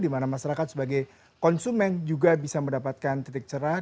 di mana masyarakat sebagai konsumen juga bisa mendapatkan titik cerah